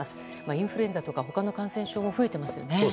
インフルエンザとか他の感染症も増えていますよね